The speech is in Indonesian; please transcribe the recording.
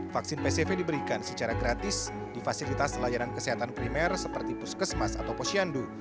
vaksin pcv diberikan secara gratis di fasilitas layanan kesehatan primer seperti puskesmas atau posyandu